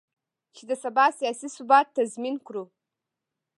چې د سبا سیاسي ثبات تضمین کړو.